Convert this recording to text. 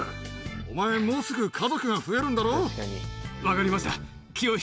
お前、もうすぐ家族が増えるんだ分かりました。